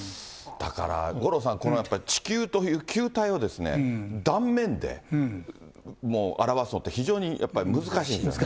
だから五郎さん、これやっぱり、地球という球体を、断面で表すのって非常にやっぱり難しいんですよね。